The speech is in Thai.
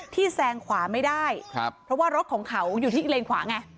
แซงขวาไม่ได้ครับเพราะว่ารถของเขาอยู่ที่เลนขวาไง